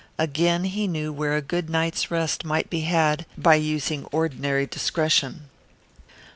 Again he knew where a good night's rest might be had by one using ordinary discretion.